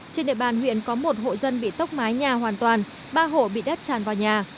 trên địa bàn huyện có một hộ dân bị tốc mái nhà hoàn toàn ba hộ bị đất tràn vào nhà